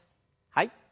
はい。